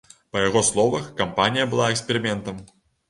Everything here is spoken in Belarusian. Па яго словах, кампанія была эксперыментам.